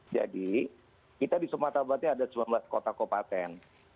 jadi kita di sumatera barat ini ada sembilan belas kota kopaten